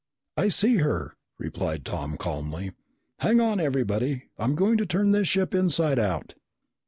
"I see her," replied Tom calmly. "Hang on, everybody. I'm going to turn this ship inside out!"